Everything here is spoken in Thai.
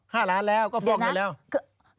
ห้าร้านแล้วก็ฟอกเงินแล้วเดี๋ยวนะ